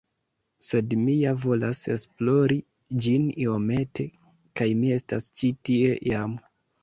sed mi ja volas esplori ĝin iomete, kaj mi estas ĉi tie jam.